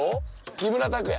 木村拓哉。